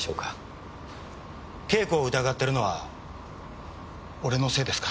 慶子を疑ってるのは俺のせいですか？